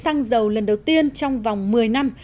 xăng dầu lần đầu tiên trong vòng một mươi năm